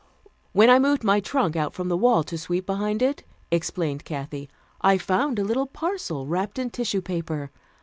"When I moved my trunk out from the wall to sweep behind it," explained Kathy, "I found a little parcel wrapped in tissue paper.